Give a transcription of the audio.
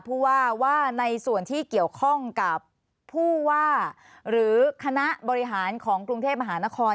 ผู้ว่าว่าในส่วนที่เกี่ยวข้องกับผู้ว่าหรือคณะบริหารของกรุงเทพมหานคร